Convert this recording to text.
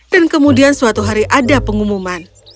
kemudian suatu hari ada pengumuman